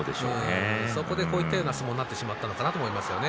そこでこういったような相撲になってしまったのかなと思うんですよね。